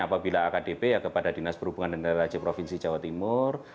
apabila akdp ya kepada dinas perhubungan dan lhc provinsi jawa timur